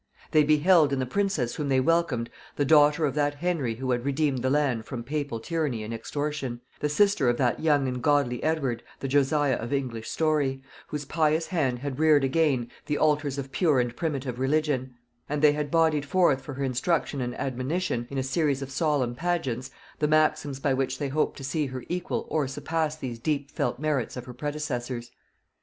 They beheld in the princess whom they welcomed the daughter of that Henry who had redeemed the land from papal tyranny and extortion; the sister of that young and godly Edward, the Josiah of English story, whose pious hand had reared again the altars of pure and primitive religion; and they had bodied forth for her instruction and admonition, in a series of solemn pageants, the maxims by which they hoped to see her equal or surpass these deep felt merits of her predecessors.